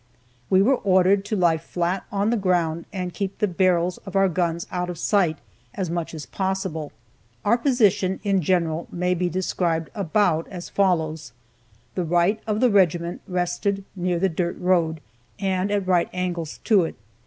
We were ordered to lie flat on the ground, and keep the barrels of our guns out of sight, as much as possible. Our position in general may be described about as follows: The right of the regiment rested near the dirt road, and at right angles to it.